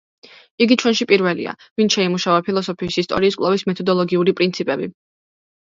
იგი ჩვენში პირველია, ვინც შეიმუშავა ფილოსოფიის ისტორიის კვლევის მეთოდოლოგიური პრინციპები.